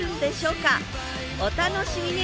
お楽しみに！